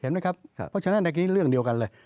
เห็นไหมครับเพราะฉะนั้นเมื่อกี้เรื่องเดียวกันเลย